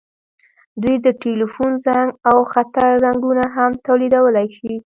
دوی د ټیلیفون زنګ او خطر زنګونه هم تولیدولی شي.